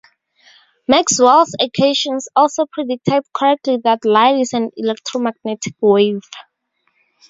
Maxwell's equations also predicted correctly that light is an electromagnetic wave.